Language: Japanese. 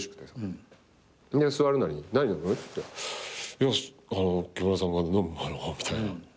いや木村さんが飲む物みたいな。